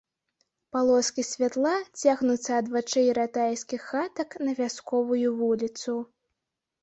Палоскі святла цягнуцца ад вачэй ратайскіх хатак на вясковую вуліцу.